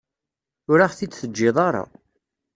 Ur aɣ-t-id-teǧǧiḍ ara.